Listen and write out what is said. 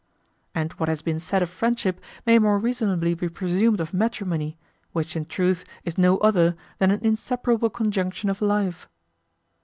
And what has been said of friendship may more reasonably be presumed of matrimony, which in truth is no other than an inseparable conjunction of life.